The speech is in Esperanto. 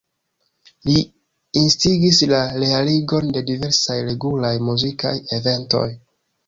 Li instigis la realigon de diversaj regulaj muzikaj eventoj.